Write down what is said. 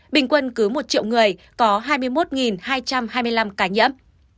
bình quân cứ một triệu người có hai mươi một hai trăm hai mươi năm ca nhiễm